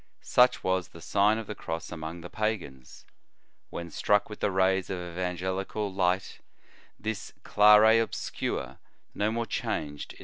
Such was the Sign of the Cross among the pagans. When struck with the rays of evangelical light, this dare obscure no more changed its * Prelim.